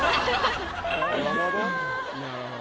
なるほど。